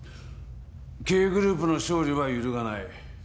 Ｋグループの勝利は揺るがない。